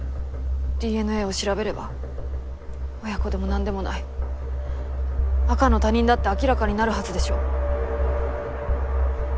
ＤＮＡを調べれば親子でもなんでもない赤の他人だって明らかになるはずでしょ。